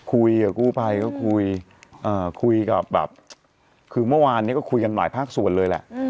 คุยกับกู้ภัยก็คุยคุยกับแบบคือเมื่อวานนี้ก็คุยกันหลายภาคส่วนเลยแหละ